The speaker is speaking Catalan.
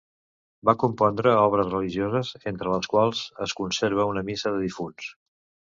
Va compondre obres religioses, entre les quals es conserva una Missa de difunts.